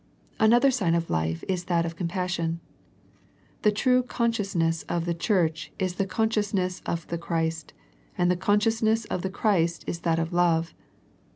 Another sign of life is that of compassion. The true consciousness of the Church is the consciousness of the Christ, and the conscious ness of the Christ is that of love.